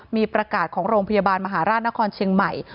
มีประกาศของโรงพยาบาลมหาราชนครเชียงใหม่